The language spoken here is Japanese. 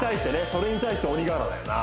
それに対して鬼瓦だよな